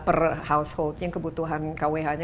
per householdnya kebutuhan kwh nya